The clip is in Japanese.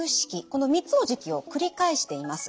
この３つの時期を繰り返しています。